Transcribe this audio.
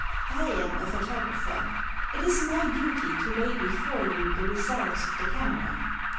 I am a photographer. It is my duty to lay before you the results of the camera.